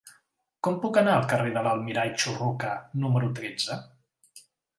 Com puc anar al carrer de l'Almirall Churruca número tretze?